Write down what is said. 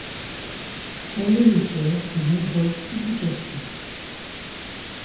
Elle est auteur de nombreuses publications.